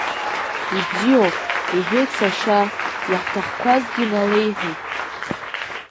Ибзиоуп, — иҳәеит сашьа, иаҳҭахқәазгьы налеиҳәеит.